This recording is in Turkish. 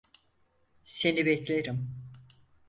Seni beklerim.